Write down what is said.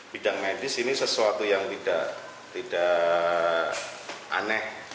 bidang medis ini sesuatu yang tidak aneh